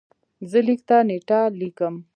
زه لیک ته نېټه لیکم.